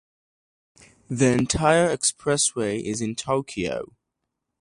The entire expressway is in Tokyo